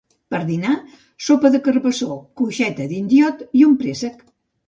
Per dinar: sopa de carbassó, cuixeta d'indiot i un préssec